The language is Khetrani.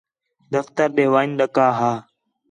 دفتر ݙے ون٘ڄݨ ݙُکّھا ہا